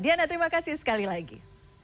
diana terima kasih sekali lagi